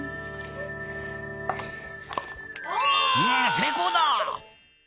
せいこうだ！